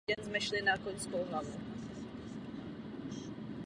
Díky polskému původu své matky o něj stála Polská fotbalová federace.